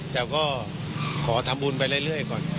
แต่ก็ขอทำบุญไปเรื่อยก่อน